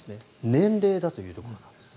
年齢だというところなんです。